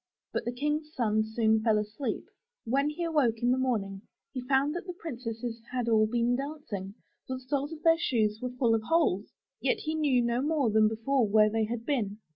But the King's son soon fell asleep. When he awoke in the morning he found that the princesses had all been dancing, for the soles of their shoes were full of holes, yet he knew no more than before where they had been.